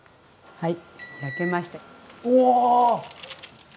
はい。